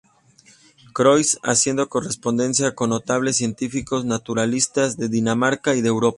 Croix, haciendo correspondencia con notables científicos naturalistas de Dinamarca y de Europa.